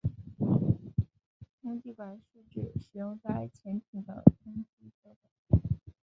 通气管是指使用在潜艇的通气设备。